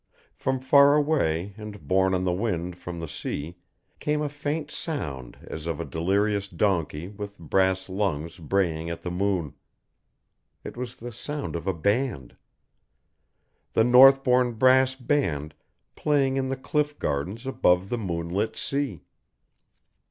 From far away and borne on the wind from the sea came a faint sound as of a delirious donkey with brass lungs braying at the moon. It was the sound of a band. The Northbourne brass band playing in the Cliff Gardens above the moonlit sea.